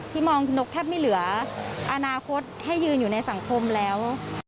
มองคุณนกแทบไม่เหลืออนาคตให้ยืนอยู่ในสังคมแล้ว